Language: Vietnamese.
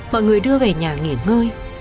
mọi người đưa về nhà nghỉ ngơi